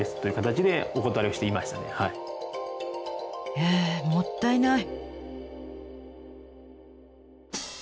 ええもったいない。